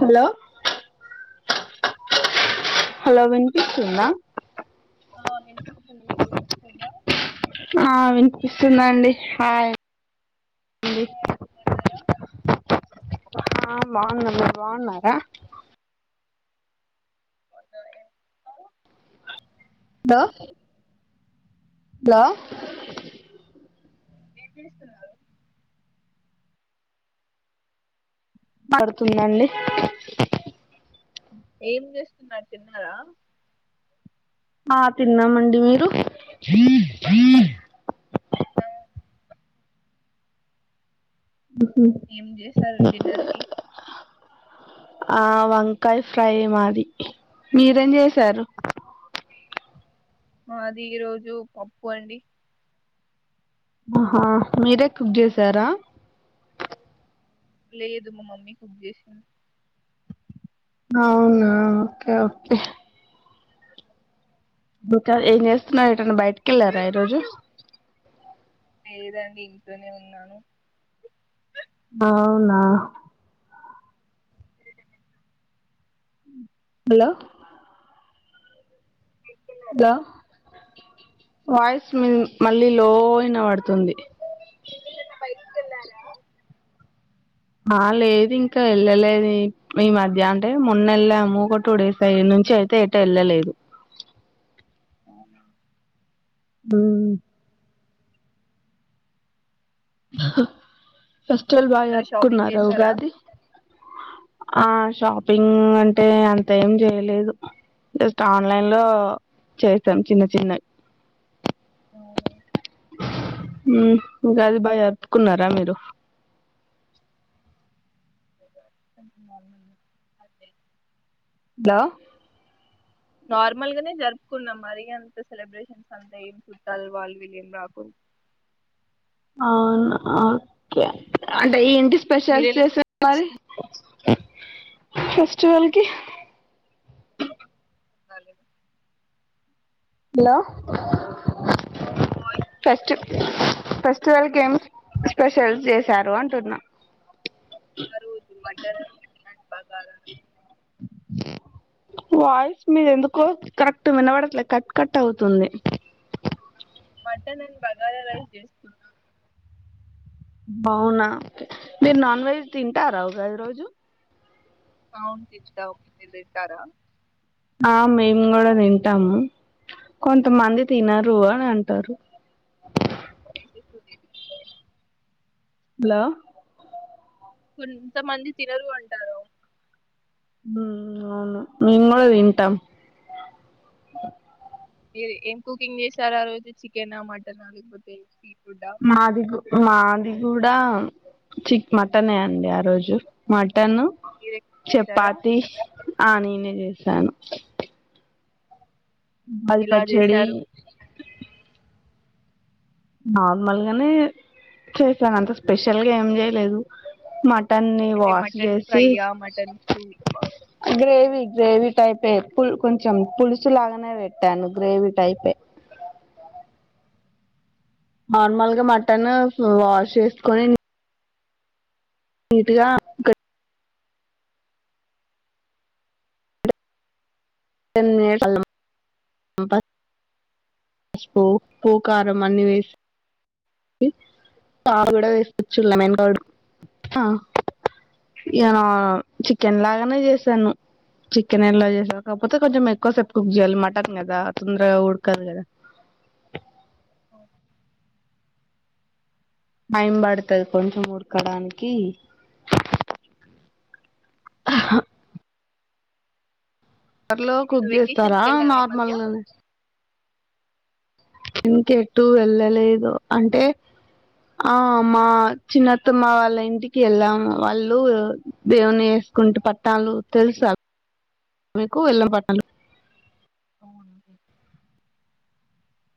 Hello hello వినిపిస్తుంద. ఆ వినిపిస్తుంది మీకు వినిపిస్తుందా. ఆ వినిపిస్తుందండి హాయ్ హాయ్ బాగున్నారా ఆ బాగునా మీరు బాగున్నారా. ఏం ఆ, దా హలో ఏం చేస్తారు. పడుతుందండి. ఏం చేస్తున్నారు తిన్నారా. ఆ తిన్నామండి మీరు, నా- ఏం చేసారు డిన్నర్ కి. ఆ వంకాయ ఫ్రై మాది మీరేం చేసారు. అది ఈ రోజు పప్పు అండి ఆహా మీరే కుక్ చేసారా లేదు మా మమ్మీ కుక్ చేసింది అవునా ఓకే ఓకే ఏం చేస్తున్నారు ఏటు అన్న బయటికి వెళ్ళారా ఈరోజు లేదండి ఇంట్లోనే ఉన్నాను అవునా హలో బయటికి వెళ్ళారా? హలో వాయిస్ మళ్ళీ లో వినపడుతుంది మీరు ఎట్టన్న బయటికి వెళ్ళారా ఆ లేదు ఇంకా వెళ్ళలేదు ఈ మధ్య అంటే మొన్న వెళ్ళాము ఒక టూ డేస్ అయ్య ఇనుంచి అయితే ఎటు వెళ్ళలేదు అవునా ఆ ఆహా ఫెస్టివల్ బాగా షాపింగ్ జరుపుకున్నారా చేసారా ఉగాది ఆ షాపింగ్ అంటే అంత ఏం చేయలేదు జస్ట్ ఆన్లైన్ లో చేసాం చిన్న చిన్నవి హు ఉగాది బాగా జరుపుకున్నారా మీరు [inaudible] హలో నార్మల్ గానే జరుపుకున్నాం మరి అంత సెలబ్రేషన్స్ అంతా ఏం చుట్టాలు వాళ్ళు వీళ్ళు ఏం రాకు అవునా ఓకే అంటే ఇంటి స్పెషల్ మీరెలా సెలబ్రేట్ చేసేరు ఫెస్టివల్ కి వాలి hello voice fest fest break festival కి ఏం స్పెషల్ చేశారు అంటున్నా ఆ రోజు మటన్ లాంటివి బగారా రైస్ వాయిస్ మీద ఎందుకో కరెక్ట్ వినబడట్లేదు కట్ కట్ అవుతుంది మటన్ అండ్ బగారా రైస్ చేసుకున్నాం బావున్నా అంతే మీరు నాన్ వెజ్ తింటారా ఉగాది రోజు అవును తింటాం మీరు తింటారా ఆ మేము కూడా తింటాము కొంతమంది తినరు ఆ అంటారు ఏంటి ఫుడ్ హలో కొంతమంది తినరు అంటారు హా అవును మేము కూడా తింటాం ఏం కుకింగ్ చేసారు ఆ రోజు చికెన్ చికెన్ మటన్ లేకపోతే ఫుడ్డా మాది గు మాది కూడా చిక్ మటన్ అండి ఆ రోజు మా మటన్ మీరే కుక్ చేశారా చపాతి ఆ నీను చేసాను ఉగాది ఎలా పచ్చడి చేశారు నార్మల్ గానే చేసాను అంత స్పెషల్ గా ఏం చేయలేదు మాట్ న్ని అంటే వాష్ మటన్ చేసి ఫ్రైయా మటన్ సూపా గ్రేవి గ్రేవీ టైపే పు కొంచెం పులుసు లాగానే పెట్టాను గ్రేవీ టైపే నార్మల్గా మటన్ వాష్ చేసుకొని నీటుగా టెన్ మినిట్స్ అల్లం పసుపు పూకారం అన్ని వేసి పావు కూడా వేసుచ్చుడు ఏ చికెన్ లాగానే చేసాను చికెన్ ఎలా చేసాారు కాకపోతే కొంచెం ఎక్కువ సేపు కుక్ చేయాలి మటన్ కదా తొందరగా ఉడకదు కదా టైమ్ పడుతుది కొంచెం ఉడకడానికి కర్లో ఎటైనా కుక్ వెకేషన్స్ చేస్తారా కెళ్ళారా ఈ మధ్య నార్మల్గానే ఇంకెటు వెళ్ళలేదు అంటే ఆ మా చిన్నత్తమ్మ వాళ్ళ ఇంటికి వెళ్ళాము వాళ్ళు దేవుని వేసుకుంటే పట్టాలు తెలుస మీకు వెళ్ళం పట్టాలు అవును.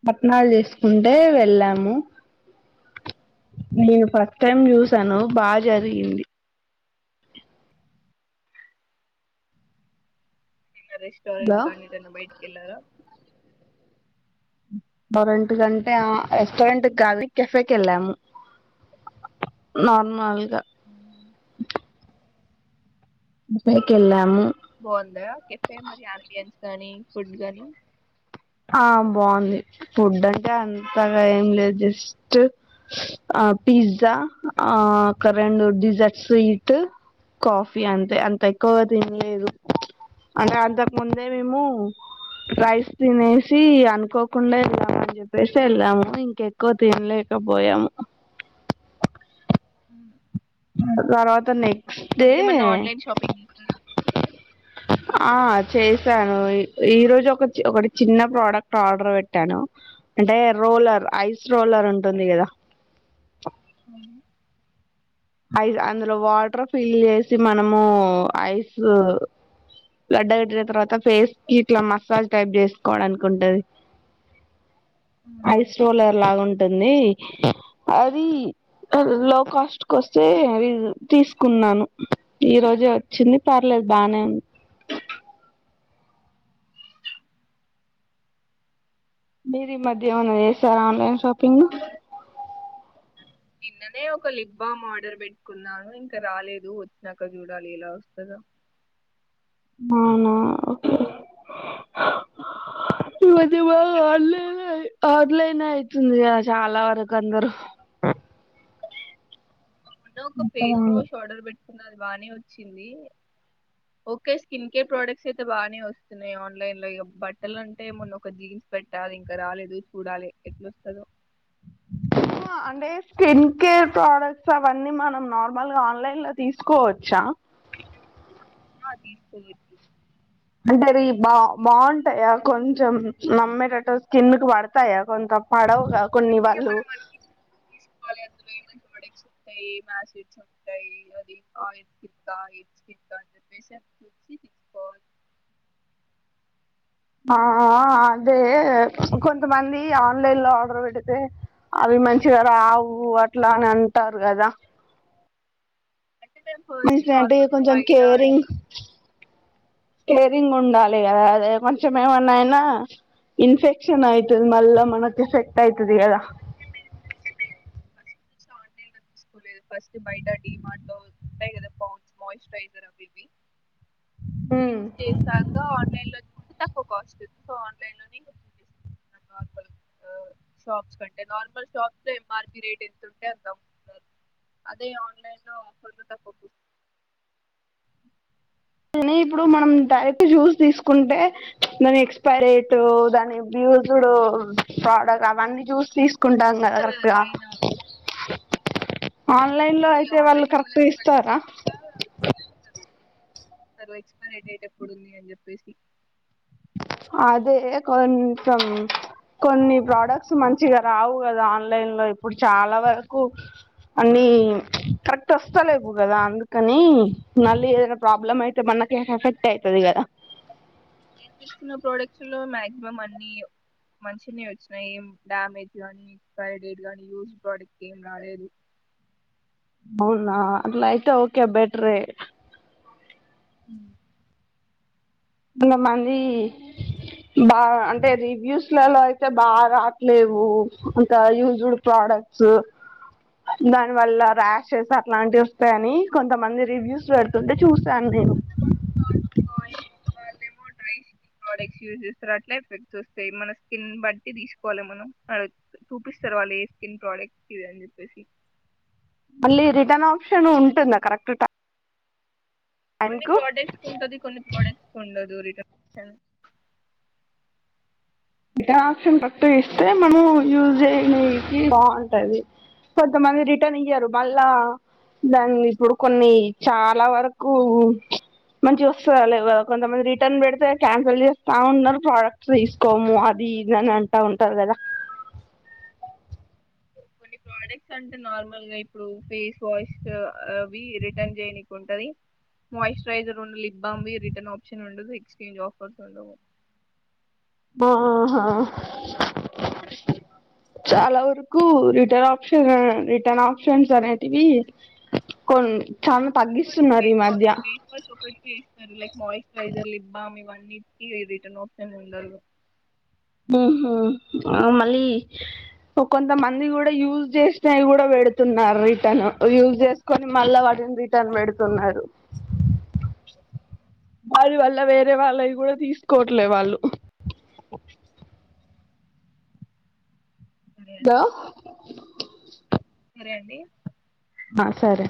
పట్నాలు చేసుకుంటే వెళ్ళాము నేను ఫస్ట్ టైం చూసాను బాగా జరిగింది ఇన్న రెస్టోరంట్ లో గగానిదన్నా బయటికి వెళ్లారా ఎరెట్ కంటే రెస్టారెంట్ కానీ కెఫేకి వెళ్ళాము నార్మల్గా క్యాఫే కి వెళ్ళాము బాగుంద కెఫే మరి అంబియన్స్ గానీ ఫుడ్ గాని ఆ బాగుంది ఫుడ్ అంటే అంతగా ఏం లేదు జస్ట్ పిజ్జా ఆ ఒక రెండు డిజర్ట్ స్వీట్ కాఫీ అంతే అంత ఎక్కువగా తినలేదు ఏం లేదు అంటే అంతకుముందే మేము రైస్ తినేసి అనుకోకుండా వెళ్దామని చెప్పేసి వెళ్దాము ఇంకెక్కువ తినలేకపోయాము ఉ తర్వాత నెక్స్ట్ డే మధ్య మన్న ఆన్లైన్ షాపింగ్ చేసారా ఆ చేశాను ఈరోజు ఒక ఒకటి చిన్న ప్రోడక్ట్ ఆర్డర్ పెట్టాను అంటే రోలర్ ఐస్ రోలర్ ఉంటుంది కదా అవు ఐస్ అందులో వాటర్ ఫిల్ చేసి మనము ఐస్ గడ్డ కట్టిన తర్వాత ఫేస్ కి ఇట్లా మసాజ్ టైప్ చేసుకోవడానికి ఉంటంది ఐస్ రోలర్ లాగా ఉంటుంది అది లో కాస్ట్ వస్తే అవి తీసుకున్నాను ఈ రోజే వచ్చింది పర్లేదు బాగానే ఉంది మీరు ఈ మధ్య ఏమన్నా చేస్తారు ఆన్లైన్ షాపింగ్ నిన్ననే ఒక లిప్బామ్ ఆర్డర్ పెట్టుకున్నాను ఇంకా రాలేదు వచ్చాక చూడాలి ఎలా వస్తుందా అవునా మ బా ఆన్లైన్ ఆన్లైన్ అవుతుంది చాలా వరకు అందరు ఉ ఒక ఫేస్వాష్ ఆర్డర్ పెట్ట అది బాగానే వచ్చింది ఓకే స్కిన్ కేర్ ప్రోడక్ట్స్ అయితే బానే వస్తున్నాయి ఆన్లైన్ లో ఇ బట్టలు అంటే మొన్న ఒక జీన్స్ పెట్టా ఇంకా రాలేదు చూడాలి ఎట్లా వస్తందో అంటే స్కిన్ కేర్ ప్రోడక్ట్స్ అవన్నీ మనం నార్మల్గా ఆన్లైన్ లో తీసుకోవచ్చా తీసుకోవచ్చు అంటే అది బాగుంటాయా కొంచెం నమ్మేటట్టు స్కిన్కి పడతాయా కొంత పడవు కొన్ని అంటే ఇగ వాళ్ళు మనం ప్రడక్ట్స్ ఉంటాయి మసడ్స్ ఉంటాయి అది ఆస్కాస్కా అని చెప్పేసి ఎ వచ్చి తీసుకోవాలి ఆ అదే కొంతమంది ఆన్లైన్ లో ఆర్డర్ పెడితే అవి మంచిగా రావు అట్లా అని అంటారు కదా అంటే మేము ఫస్ట్ మనిషిన అంటే నార్మల్గా కొంచెం బయట కేరింగ్ డీ కేరింగ్ ఉండాలి కదా అదే కొంచెం ఏమన్నాయినా ఇన్ఫెక్షన్ అవుతుంది మళ్ళా మనకు ఎఫెక్ట్ అవుతుంది కదా కోలేదు ఫస్ట్ బయట ఉంటాయి కదా మాచరైజర్ అవి ఉమ్ యూస్ చేసాక ఆన్లైన్ లో చూస్తే కాస్ట్ ఉంది సో ఆన్లైన్ లో నార్ల్ షాప్స్ కంటే నార్మల్ షాప్స్ లో ఎంఆర్పి రేట్ ఎ అదే ఆన్లైన్ లో ఇప్పుడు మనం డైరెక్ట్ జ్యూస్ తీసుకుంటే దాని ఎక్స్పైరేట్ దాని వ్యూస్డ్ ప్రోడక్ట్ అవన్నీ చూ వస్తాయి తీసుకుంటాం కదా చూపిస్తారు కరెక్ట్గా పైన ఆన్లైన్ లో ఈ అయితే వాళ్ళు ఆన్లైన్ లో కరెక్ట్ కొనే గా ప్రోడక్ట్స్ ఇస్తారా ఎక్స్పైరీ డేట్ ఎప్పుడుంది అని చెప్పేసి అదే కొంచెం కొన్ని ప్రోడక్ట్స్ మంచిగా రావు కదా ఆన్లైన్ లో ఇప్పుడు చాలా వరకు అన్ని కరెక్ట్ వస్తాలేవు కదా అందుకని మళ్ళీ ఏదైనా ప్రాబ్ల ము అయితే మనకి ఎఫెక్ట్అయితుదిదకా నేను తీసుకున్న ప్రోడక్ట్ లో మ్యాక్సిమం అన్ని మంచిగనే వచ్చినాయి ఏ డ్యామేజ్ గానీ ఎక్స్పైర్డేడ్ నీ యూస్డ్ ప్రోడక్ట్ ఏం రాలేదు అవునా అట్లాయితే ఓకే బెటర్ ఎ అ కొంతమంది బా అంటే రివ్యూస్లలో అయితే బాగా రాట్లేవు అంత యూజడ్ ప్రొడక్ట్స్ దాని వల్ల ర్యాషెస్ అట్లాంటివి వస్తాయని కొంతమంది రివ్యూస్ లో పెడుతుంటే చూసాను నేను చేస్తారు అట్లా ఎఫెక్ట్ వస్తాయి మన స్కిన్ బట్టి తీసుకోవాలి మనం ప్రోడక్ట్స్ చూపిస్తారు వాళ్ళు ఏ స్కిన్ ప్రోడక్ట్ ఇది అని చెప్పేసి మళ్ళీ రిటర్న్ ఆప్షన్ ఉంటుందా కరెక్ట్ టై కొన్ని ప్రోడక్ట్స్ ఉంటది కొన్ని ప్రోడక్ట్స్ ఉండదు రిటర్న్ అ రిటన్ ఇస్తే మనం యూజ చేయనికి బాగుంటది కొంతమంది రిటర్న్ ఇయారు మళ్ళా దాన్ని ఇప్పుడు కొన్ని చాలా వరకు మంచిగా వస్తలే కొంతమంది రిటర్న్ పెడితే క్యాన్సిల్ చేస్తా ఉన్నారు ప్రోడక్ట్స్ తీసుకోము అది ఇది అంటా ఉంటారు కదా కొన్ని ప్రోడక్ట్స్ అంటే నార్మల్గా ఇప్పుడు ఫేస్ వాష్ అవి రిటర్న్ చేయడానికి ఉంటది మాశ్చరైజర్ ఉన్న లిప్ బామ్ రిటర్న్ ఆప్షన్ ఉండదు ఎక్స్చేంజ్ ఆఫర్స్ ఉండవు ఆహా చాలా వరకు రిటర్న్ ఆప్షన్ రిటర్న్ ఆప్షన్స్ అనేటివి కొన్ ఇవ్వరు ఫేస్ ఫేస్ వాష్ ఒకరటికే ఇస్తారులే మాయిచరైజర్లు లిబ్బం ఇవ్వ నిటికి రిటర్న్ ఆప్షన్ ఉండదు ఆహ మళ్ళీ కొంతమంది కూడా యూజ్ చేసినవి కూడా పెడుతున్నారు రిటర్న్ యూజ చేసుకొని మళ్ళీ వాటిని రిటర్న్ పెడుతున్నారు వారి వల్ల వేరే వాళ్ళవి కూడా తీసుకోవట్లే వాళ్ళు అదే హలో అండి సరే అండి ఆ సరే